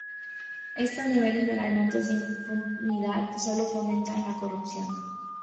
Estos niveles alarmantes de impunidad sólo fomentan la corrupción.